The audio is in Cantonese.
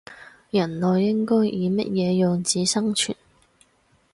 人類應該以乜嘢樣子生存